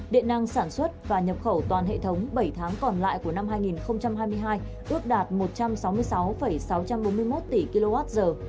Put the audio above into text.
điện năng sản xuất và nhập khẩu toàn hệ thống bảy tháng còn lại của năm hai nghìn hai mươi hai ước đạt một trăm sáu mươi sáu sáu trăm bốn mươi một tỷ kwh